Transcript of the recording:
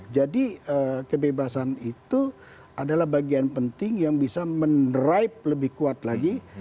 jadi kebebasan itu adalah bagian penting yang bisa menerai lebih kuat lagi